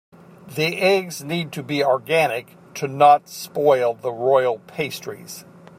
The eggs need to be organic to not spoil the royal pastries.